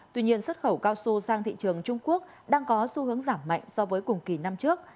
tuy nhiên xuất khẩu cao su sang thị trường trung quốc đang có xu hướng giảm mạnh so với cùng kỳ năm trước